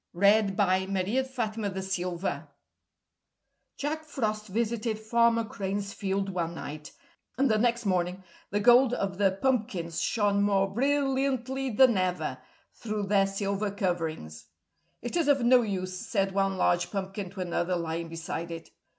HENRY W. LONGFELLOW. THE DISCONTENTED PUMPKIN Jack Frost visited Farmer Crane's field one night, and the next morning the gold of the pumpkins shone more brilliantly than ever through their silver coverings. "It is of no use," said one large pumpkin to another lying beside it.